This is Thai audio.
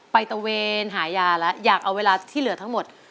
ตะเวนหายาแล้วอยากเอาเวลาที่เหลือทั้งหมด